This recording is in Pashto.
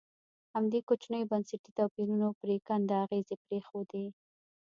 همدې کوچنیو بنسټي توپیرونو پرېکنده اغېزې پرېښودې.